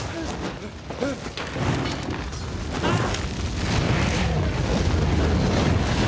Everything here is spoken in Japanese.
あっ！